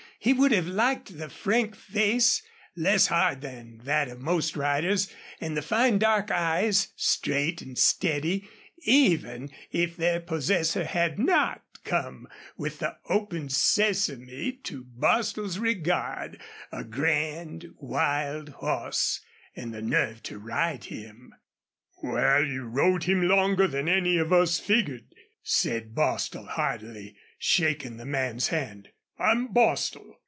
He would have liked the frank face, less hard than that of most riders, and the fine, dark eyes, straight and steady, even if their possessor had not come with the open sesame to Bostil's regard a grand, wild horse, and the nerve to ride him. "Wal, you rode him longer 'n any of us figgered," said Bostil, heartily shaking the man's hand. "I'm Bostil.